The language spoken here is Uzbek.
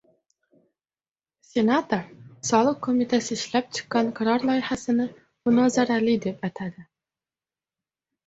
Senator Soliq qo‘mitasi ishlab chiqqan qaror loyihasini «munozarali» deb atadi